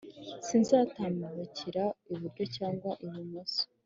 sinzatambikira iburyo cyangwa ibumoso